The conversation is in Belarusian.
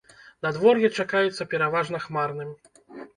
Надвор'е чакаецца пераважна хмарным.